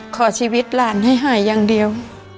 ขอชีวิตหลานให้หายอย่างเดียว